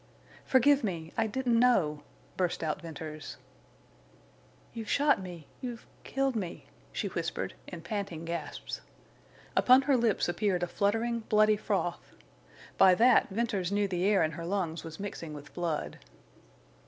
"Forgive me! I didn't know!" burst out Venters. "You shot me—you've killed me!" she whispered, in panting gasps. Upon her lips appeared a fluttering, bloody froth. By that Venters knew the air in her lungs was mixing with blood.